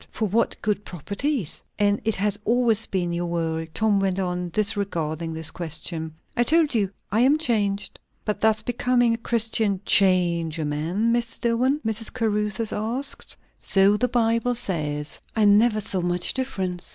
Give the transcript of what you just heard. "For what good properties?" "And it has always been your world," Tom went on, disregarding this question. "I told you, I am changed." "But does becoming a Christian change a man, Mr. Dillwyn?" Mrs. Caruthers asked. "So the Bible says." "I never saw much difference.